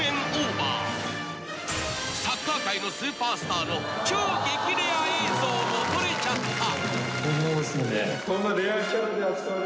［サッカー界のスーパースターの超激レア映像も撮れちゃった］